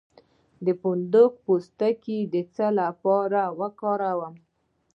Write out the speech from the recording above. د فندق پوستکی د څه لپاره وکاروم؟